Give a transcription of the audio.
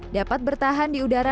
dapat bertahan di udara